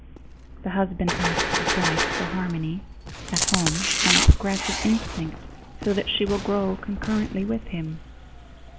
The husband asks his wife for harmony at home and a progressive instinct so that she will grow concurrently with him.